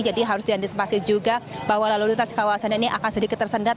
jadi harus diantisipasi juga bahwa lalu lintas di kawasan ini akan sedikit tersendat